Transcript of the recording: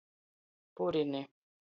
Purini.